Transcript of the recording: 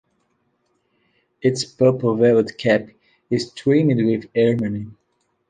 Its purple velvet cap is trimmed with ermine.